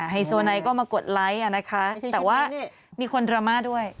ไฮโซไนท์ก็มากดไลค์นะคะแต่ว่ามีคนดราม่าด้วย